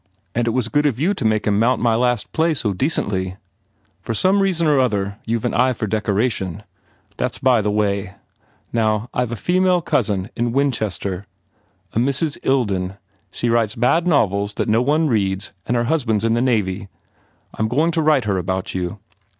And it was good of you to make him mount my last act so 27 THE FAIR REWARDS decently. ... For some reason or other you ve an eye for decoration. That s by the way. Now, I ve a female cousin in Winchester, a Mrs. Ilden. She writes bad novels that no one reads and her husband s in the Navy. I m going to write her about you.